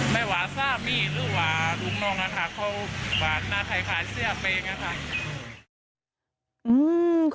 ไม่หวาซามีหรือหวาหลุงนองน่ะค่ะเขาหวานมากลายขายเสื้อแปมน่ะค่ะ